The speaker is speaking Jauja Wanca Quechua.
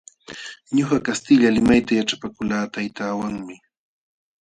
Ñuqa kastilla limayta yaćhapakulqaa taytaawanmi.